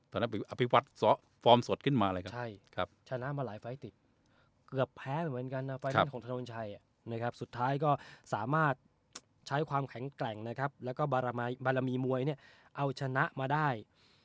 อภิวัตรฟอร์มสดขึ้นมาเลยครับชนะมาหลายไฟล์ติดเกือบแพ้ไปเหมือนกันนะไฟล์นี้ของถนนชัยนะครับสุดท้ายก็สามารถใช้ความแข็งแกร่งนะครับแล้วก็บารมีมวยเนี่ยเอาชนะมาได้